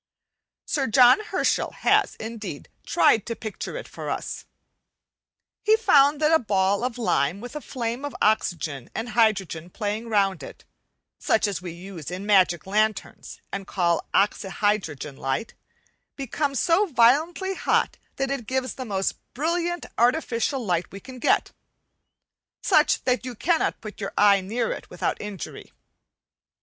Sir John Herschel has, indeed, tried to picture it for us. He found that a ball of lime with a flame of oxygen and hydrogen playing round it (such as we use in magic lanterns and call oxy hydrogen light) becomes so violently hot that it gives the most brilliant artificial light we can get such that you cannot put your eye near it without injury.